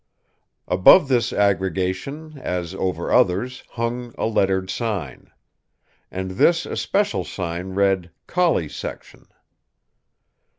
Above this aggregation, as over others, hung a lettered sign. And this especial sign read "Collie Section."